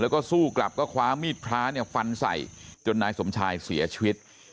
แล้วก็สู้กลับก็คว้ามีดพระเนี่ยฟันใส่จนนายสมชายเสียชีวิต